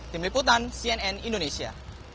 tim liputan cnn indonesia